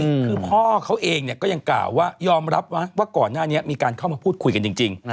คือพ่อเขาเองเนี่ยก็ยังกล่าวว่ายอมรับว่าก่อนหน้านี้มีการเข้ามาพูดคุยกันจริง